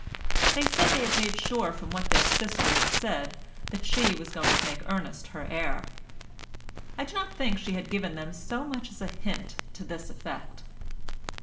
They said they had made sure from what their sister had said that she was going to make Ernest her heir. I do not think she had given them so much as a hint to this effect.